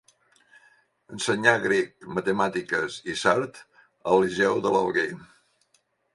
Ensenyà grec, matemàtiques i sard al liceu de l'Alguer.